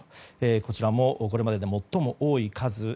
こちらもこれまでで最も多い数。